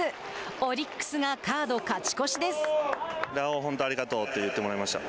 オリックスがカード勝ち越しです。